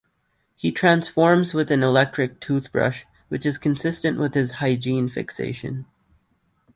He transforms with an electric toothbrush, which is consistent with his hygiene fixation.